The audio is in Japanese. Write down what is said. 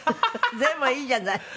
でもいいじゃない。